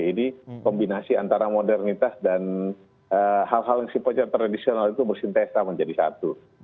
ini kombinasi antara modernitas dan hal hal yang sifatnya tradisional itu bersintesa menjadi satu